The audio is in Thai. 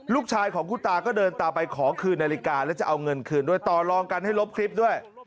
ลูกชายของคุณตาก็เดินตามไปขอคืนนาฬิกาแล้วจะเอาเงินคืนด้วยต่อลองกันให้ลบคลิปด้วย